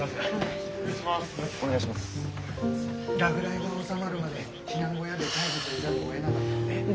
落雷が収まるまで避難小屋で待機せざるをえなかったので。